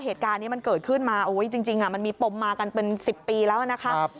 เหตุการณ์นี้มันเกิดขึ้นมาจริงมันมีปมมากันเป็น๑๐ปีแล้วนะคะ